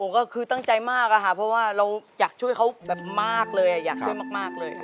ก็คือตั้งใจมากอะค่ะเพราะว่าเราอยากช่วยเขาแบบมากเลยอยากช่วยมากเลย